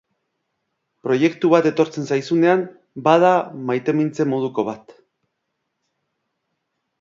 Proiektu bat etortzen zaizunean bada maitemintze moduko bat.